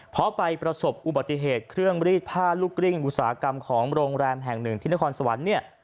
เพราะไปประสบอุบัติเหตุเครื่องรีดผ้าลูกกริ้งอุตสาหกรรมของโรงแรมแห่งหนึ่งที่นครสวรรค์เนี่ย